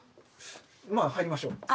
まあ入りましょう。